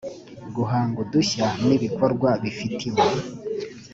guhanga udushya n ibikorwa bifitiwe